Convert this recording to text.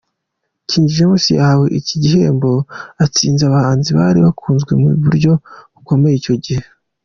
King James yahawe iki gihembo atsinze abahanzi bari bakunzwe mu buryo bukomeye icyo gihe.